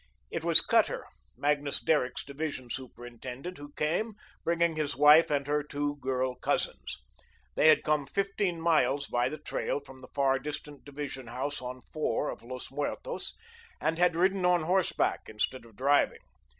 It was Cutter, Magnus Derrick's division superintendent, who came, bringing his wife and her two girl cousins. They had come fifteen miles by the trail from the far distant division house on "Four" of Los Muertos and had ridden on horseback instead of driving.